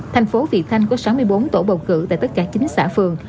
thành phố vị thanh có sáu mươi bốn tổ bầu cử tại tất cả chín xã phường